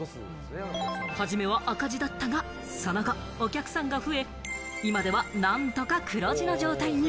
初めは赤字だったが、その後お客さんが増え、今では何とか黒字の状態に。